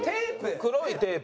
黒いテープ。